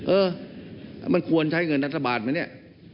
เออมันควรใช้เงินรัฐบาลไหมเนี่ย